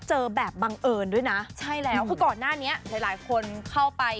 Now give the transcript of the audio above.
เจอแบบบังเอิญด้วยนะใช่แล้วคือก่อนหน้านี้หลายหลายคนเข้าไป